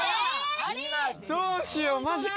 どうしようマジか。